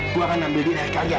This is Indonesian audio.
gua akan ambil dia dari kalian